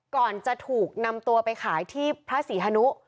ก่อนจะถูกนำตัวไปขายที่พระศรีฮนุ